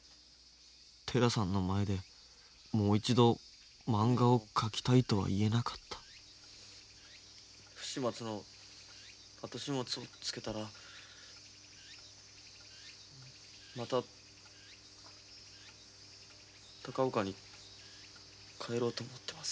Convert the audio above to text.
寺さんの前でもう一度まんがを描きたいとは言えなかった不始末の後始末をつけたらまた高岡に帰ろうと思ってます。